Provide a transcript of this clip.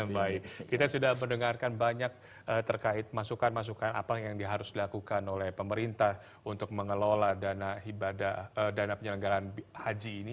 baik kita sudah mendengarkan banyak terkait masukan masukan apa yang harus dilakukan oleh pemerintah untuk mengelola dana penyelenggaran haji ini